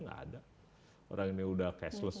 nggak ada orang ini udah cashless